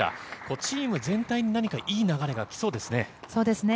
チーム全体にいい流れが来そうでそうですね。